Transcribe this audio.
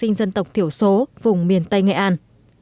các em học sinh dân tộc thiểu số vùng miền tây nghệ an